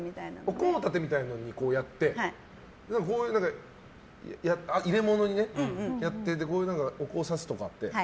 お香立てみたいなのにやって入れ物にやってお香をさすとか。